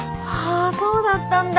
あそうだったんだ。